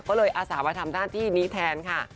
ก็เลยอาสามาทำหน้าที่นี้แทนค่ะ